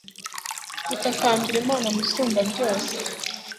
ndatakambira imana, musumbabyose